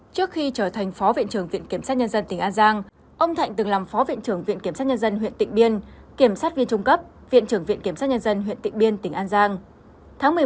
trước khi trở thành phó viện trưởng viện kiểm sát nhân dân tỉnh an giang ông thạnh từng làm phó viện trưởng viện kiểm sát nhân dân huyện tịnh biên kiểm sát viên trung cấp viện trưởng viện kiểm sát nhân dân huyện tịnh biên tỉnh an giang